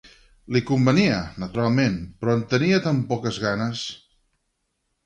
Li convenia, naturalment, però en tenia tan poques ganes!